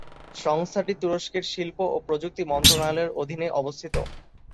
সংস্থাটি তুরস্কের শিল্প ও প্রযুক্তি মন্ত্রণালয়ের অধীনে অবস্থিত।